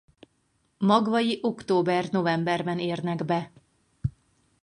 Magvai október-novemberben érnek be.